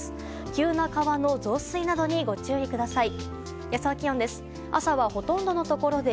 急な川の増水などにご注意ください。